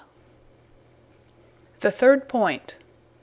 _The third Point.